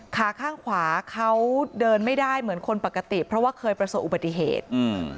ขาข้างขวาเขาเดินไม่ได้เหมือนคนปกติเพราะว่าเคยประสบอุบัติเหตุอืม